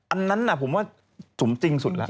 อันนั้นน่ะผมว่าสุมจริงสุดละ